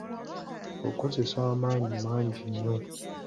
Okozesa amaanyi mangi nnyo.